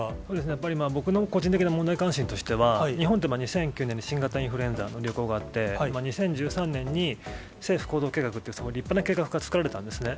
やっぱりまあ、僕の個人的な問題関心としては、日本って２００９年の新型インフルエンザの流行があって、２０１３年に、政府行動計画っていう立派な計画が作られたんですね。